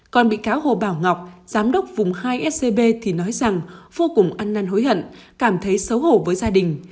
còn bị cáo hồ bảo ngọc giám đốc vùng hai scb thì nói rằng vô cùng ăn năn hối hận cảm thấy xấu hổ với gia đình